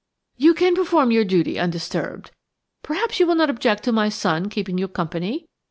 You can perform your duty undisturbed. Perhaps you will not object to my son keeping you company.